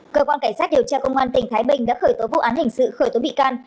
cơ quan cảnh sát điều tra công an tỉnh thái bình đã khởi tố vụ án hình sự khởi tố bị can